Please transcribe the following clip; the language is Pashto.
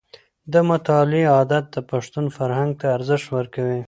د مطالعې عادت د پښتون فرهنګ ته ارزښت ورکوي.